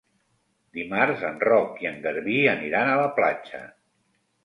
Dimarts en Roc i en Garbí aniran a la platja.